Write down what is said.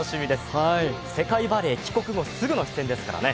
世界バレー帰国後すぐの出演ですからね。